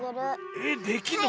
えっできるの？